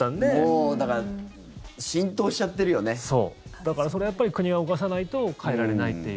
だから、それはやっぱり国が動かさないと変えられないっていう。